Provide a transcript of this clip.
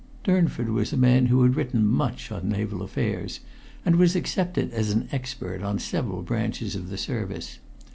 Durnford was a man who had written much on naval affairs, and was accepted as an expert on several branches of the service.